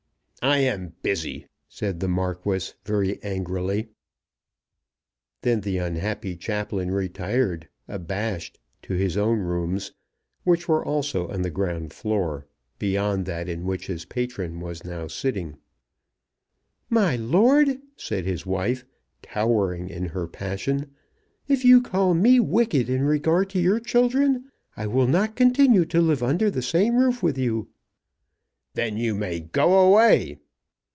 "I am busy," said the Marquis very angrily. Then the unhappy chaplain retired abashed to his own rooms, which were also on the ground floor, beyond that in which his patron was now sitting. "My lord," said his wife, towering in her passion, "if you call me wicked in regard to your children, I will not continue to live under the same roof with you." "Then you may go away."